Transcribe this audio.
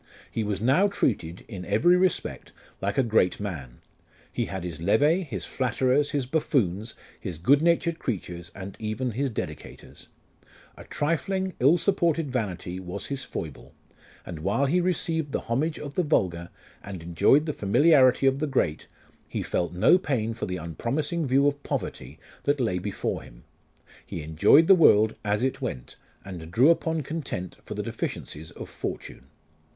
He was now treated in every respect like a great man ; he had his levee, his flatterers, his buffoons, his good natured creatures, and even his dedicators. A trifling, ill supported vanity was his foible ; and while he received the homage of the vulgar and enjoyed the familiarity of the great, he felt no pain for the unpromising view of poverty that lay before him : he enjoyed the world as it went, and drew upon content for the deficiencies of fortune.